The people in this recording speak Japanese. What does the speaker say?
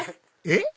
えっ？